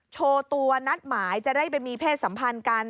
โชว์ตัวนัดหมายจะได้ไปมีเพศสัมพันธ์กัน